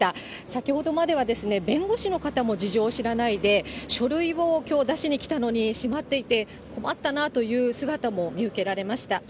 先ほどまでは弁護士の方も事情を知らないで、書類をきょう出しに来たのに、閉まっていて、困ったなという姿も見受けられました。